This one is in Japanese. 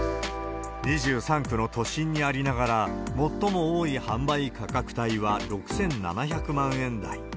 ２３区の都心にありながら、最も多い販売価格帯は６７００万円台。